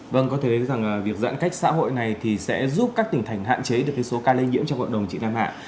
vâng có thể thấy rằng việc giãn cách xã hội này thì sẽ giúp các tỉnh thành hạn chế được cái số ca lây nhiễm trong cộng đồng chị nam hạ